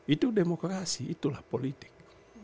itu demokrasi itulah politik